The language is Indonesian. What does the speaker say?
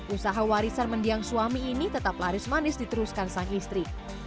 usaha warisan mendiang suami ini tetap laris manis diteruskan sang istri